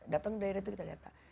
datang ke daerah itu kita data